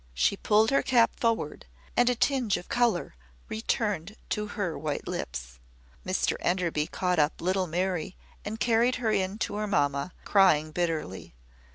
She pulled her cap forward, and a tinge of colour returned to her white lips. Mr Enderby caught up little Mary and carried her to her mamma, crying bitterly.